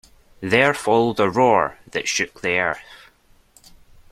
There followed a roar that shook the earth.